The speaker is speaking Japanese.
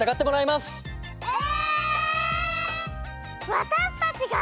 わたしたちが？